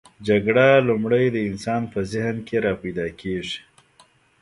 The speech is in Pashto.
جګړه لومړی د انسان په ذهن کې راپیداکیږي.